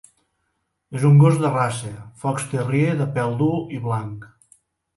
És un gos de raça, Fox terrier de pèl dur i blanc.